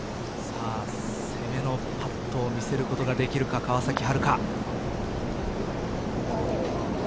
攻めのパットを見せることができるか川崎春花。